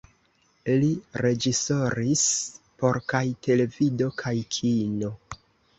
Li reĝisoris por kaj televido kaj kino.